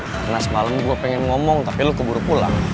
karena semalam gue pengen ngomong tapi lo keburu pulang